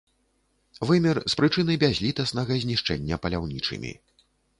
Вымер з прычыны бязлітаснага знішчэння паляўнічымі.